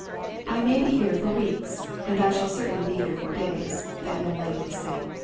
"I may be here for weeks, and I shall certainly be here for days," that young lady was saying.